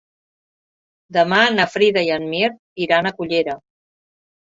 Demà na Frida i en Mirt iran a Cullera.